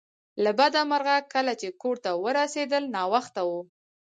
له بده مرغه کله چې کور ته ورسیدل ناوخته و